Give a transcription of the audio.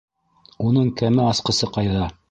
- Уның кәмә асҡысы ҡайҙа?